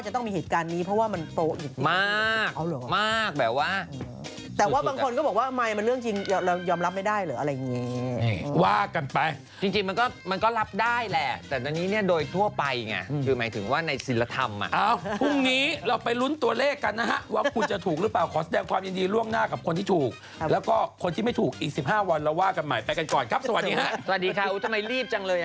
พ่อปู่เนี่ยไปเข้าฝันบอกว่าในช่วงน้ำท่วมเนี่ยข้าวของเครื่องใช้ถูกน้ำท่วมพัดไปหมดเลยว่ะ